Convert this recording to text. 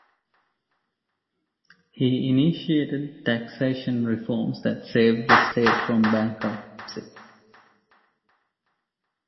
He initiated taxation reforms that saved the state from bankruptcy.